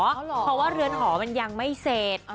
เพราะว่าเรือนหอมันยังไม่เสร็จ